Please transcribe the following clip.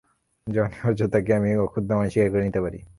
যা অনিবার্য তাকে আমি অক্ষুব্ধমনে স্বীকার করে নিতে পারি।